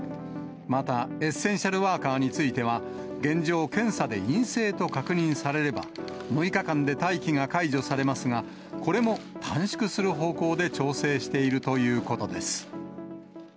また、エッセンシャルワーカーについては、現状、検査で陰性と確認されれば、６日間で待機が解除されますが、これも短縮する方向で調整しているということです。